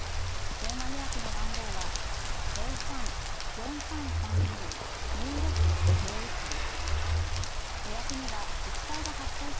電話予約の番号は０３ー４３３２ー２６０１です。